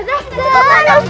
gak usah dia sih